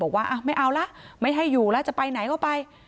บอกว่าไม่เอาละไม่ให้อยู่แล้วจะไปไหนก็ไป